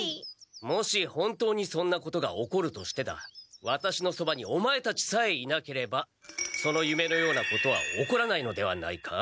もし本当にそんなことが起こるとしてだワタシのそばにオマエたちさえいなければその夢のようなことは起こらないのではないか？